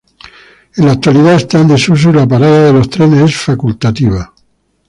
En la actualidad está en desuso y la parada de los trenes es facultativa.